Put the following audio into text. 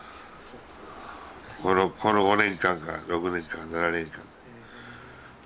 この５年間か６年間７年間。